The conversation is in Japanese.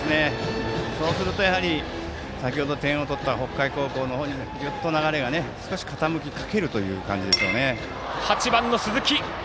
そうすると、やはり先ほど点を取った北海高校の方にグッと流れが傾きかける感じでしょう。